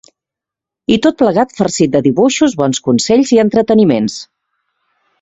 I tot plegat farcit de dibuixos, bons consells i entreteniments.